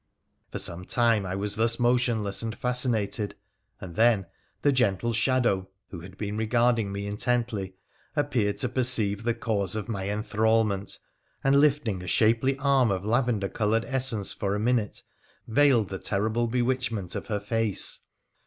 For some time I was thus motionless and fascinated, and then the gentle shadow, who had been regarding me intently, appeared to perceive the cause of my enthralment, and lifting a shapely arm of lavender coloured essence for a minute veiled the terrible bewitchment of her face.